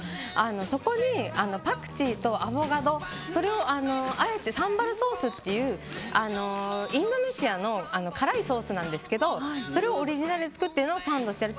そこにパクチーとアボカドそれをあえてサンバルソースっていうインドネシアの辛いソースなんですけどオリジナルで作っているのをサンドしている。